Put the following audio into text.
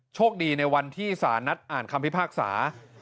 โชคดีในวันที่สารนัดอ่านคำพิพากษา